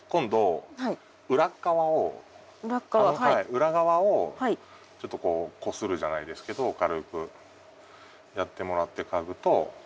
裏側をちょっとこうこするじゃないですけど軽くやってもらって嗅ぐとより。